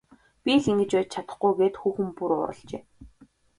Би л ингэж байж чадахгүй гээд хүүхэн бүр уурлажээ.